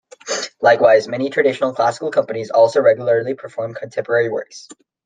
Likewise, many traditionally "classical" companies also regularly perform contemporary works.